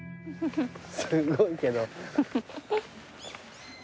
すごいけど。